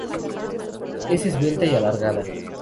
Es esbelta y alargada.